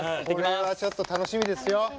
これはちょっと楽しみですよ。